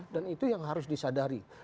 dan itu yang harus disadari